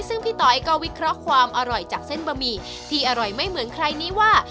ซึ่งพี่ต๋อยก็วิเคราะห์ความอร่อยจากเส้นบะหมี่ที่อร่อยไม่เหมือนใครนี้ว่า